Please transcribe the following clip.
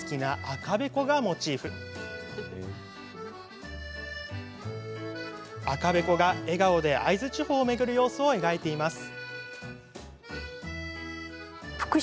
赤べこが笑顔で会津地方を巡る様子を描いています。